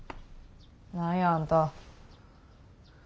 何やあんた。